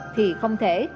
thì không thể